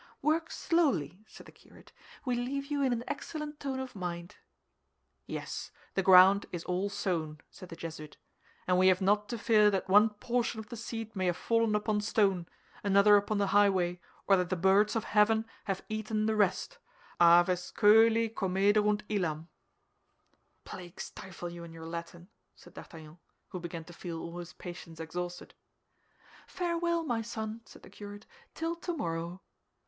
"Work slowly," said the curate; "we leave you in an excellent tone of mind." "Yes, the ground is all sown," said the Jesuit, "and we have not to fear that one portion of the seed may have fallen upon stone, another upon the highway, or that the birds of heaven have eaten the rest, aves cœli comederunt illam." "Plague stifle you and your Latin!" said D'Artagnan, who began to feel all his patience exhausted. "Farewell, my son," said the curate, "till tomorrow."